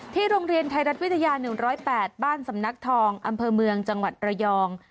โรงเรียนไทยรัฐวิทยา๑๐๘บ้านสำนักทองอำเภอเมืองจังหวัดระยอง